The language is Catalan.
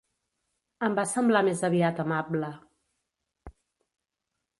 Em va semblar més aviat amable.